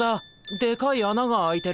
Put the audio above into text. でかいあなが開いてる。